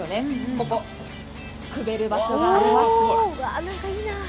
ここ、くべる場所があります。